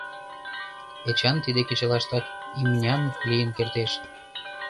Эчан тиде кечылаштак имнян лийын кертеш.